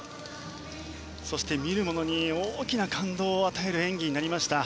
そして見る者に大きな感動を与える演技になりました。